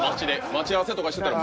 待ち合わせとかしてたら。